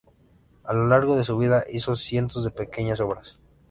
A lo largo de su vida, hizo cientos de pequeñas obras.